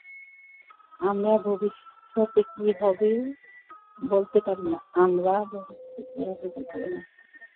আমরা ভবিষ্যতে কি হবে বলতে পারি না।